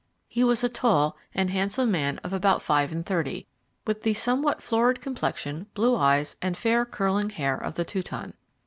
He was a tall and handsome man of about five and thirty, with the somewhat florid complexion, blue eyes, and fair, curling hair of the Teuton.